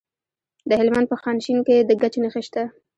د هلمند په خانشین کې د ګچ نښې شته.